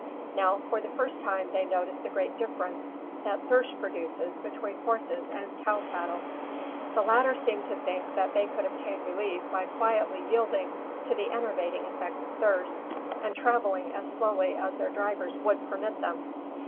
Now for the first time they noticed the great difference that thirst produces between horses and cow cattle. The latter seemed to think that they could obtain relief by quietly yielding to the enervating effect of thirst, and travelling as slowly as their drivers would permit them.